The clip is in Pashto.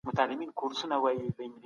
کمپيوټر حاصلات زياتوي.